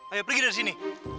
ayo pergi dari sini